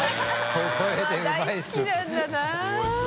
小声で「うまいっす」